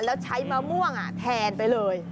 แล้วใช้มะม่วงแทนไปเลย